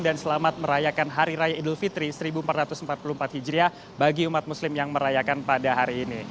dan selamat merayakan hari raya idul fitri seribu empat ratus empat puluh empat hijriah bagi umat muslim yang merayakan pada hari ini